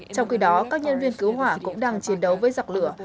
trong khi đó các nhân viên cứu hỏa cũng đang chiến đấu với giặc lửa